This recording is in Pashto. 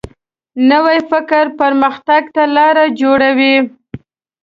نوی فکر پرمختګ ته لاره جوړوي